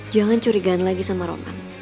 jangan curigaan lagi sama roman